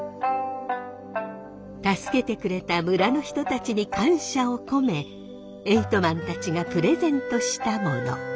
助けてくれた村の人たちに感謝を込めエイトマンたちがプレゼントしたもの。